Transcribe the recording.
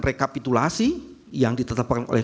rekapitulasi yang ditetapkan oleh